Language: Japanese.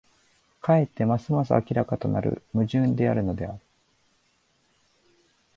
かえってますます明らかとなる矛盾であるのである。